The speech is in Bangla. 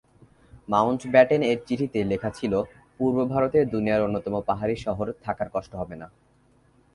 মাউন্টব্যাটেন এর চিঠিতে লেখা ছিল, পূর্ব ভারতে দুনিয়ার অন্যতম পাহাড়ি শহর, থাকার কষ্ট হবে না।